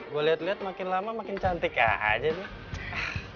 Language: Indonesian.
gue liat liat makin lama makin cantik aja nih